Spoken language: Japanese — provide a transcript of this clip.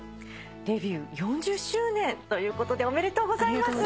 デビュー４０周年ということでおめでとうございます！